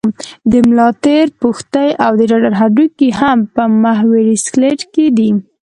د ملا تیر، پښتۍ او د ټټر هډوکي هم په محوري سکلېټ کې دي.